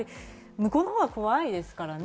向こうのほうが怖いですからね。